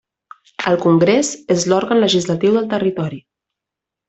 El Congrés és l'òrgan legislatiu del Territori.